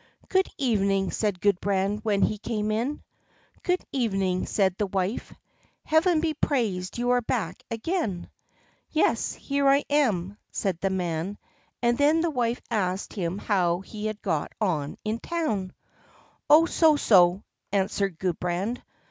"Good evening!" said Gudbrand when he came in. "Good evening!" said the wife. "Heaven be praised you are back again." "Yes, here I am!" said the man. And then the wife asked him how he had got on in town. "Oh, so so," answered Gudbrand.